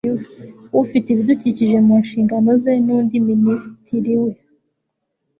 ufite ibidukikije mu nshingano ze nundi minisitiri wese